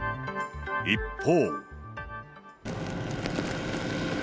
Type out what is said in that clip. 一方。